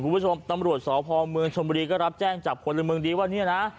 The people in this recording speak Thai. คุณผู้ชมตำรวจสพเมืองชนบุรีก็รับแจ้งจับคนละเมืองดีว่าเนี่ยนะ